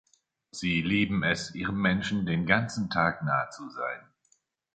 Sie lieben es, ihrem Menschen den ganzen Tag nah zu sein.